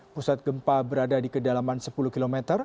pusat gempa berada di kedalaman sepuluh km